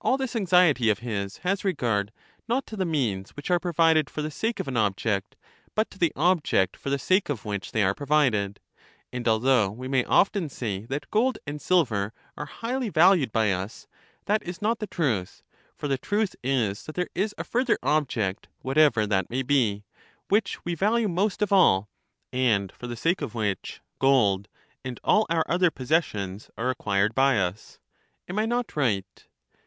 All this anxiety of his has regard not to the means which are provided for the sake of an object, but to the object for the sake of which they are provided. And although we may often say that LYSIS 75 gold and silver are highly valued by us, that is not the truth; for the truth is that there is a further ob ject, whatever that may be, which we value most of all, and for the sake of which gold and all our other possessions are acquired by us. Am I not right